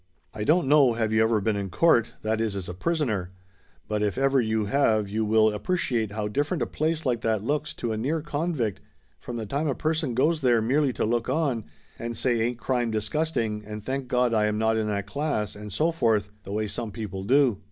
I don't know have you ever been in court that is, as a prisoner. But if ever you have you will appre ciate how different a place like that looks to a near convict from the time a person goes there merely to look on and say ain't crime disgusting and thank Gawd I am not in that class and so forth the way some people Laughter Limited 313 do.